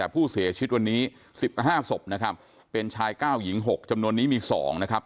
ผู้เสียชีวิตวันนี้๑๕ศพนะครับเป็นชาย๙หญิง๖จำนวนนี้มี๒นะครับ